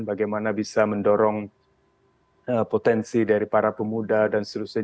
bagaimana bisa mendorong potensi dari para pemuda dan seterusnya